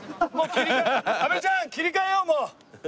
阿部ちゃん切り替えようもう！